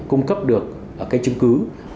cung cấp được cái chứng cứ